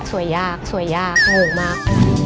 สวยยากสวยยากงงมาก